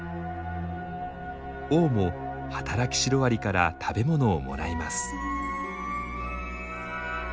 王も働きシロアリから食べ物をもらいます。